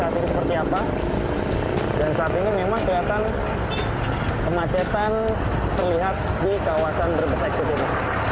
dan saat ini memang kelihatan kemacetan terlihat di kawasan brebes exit ini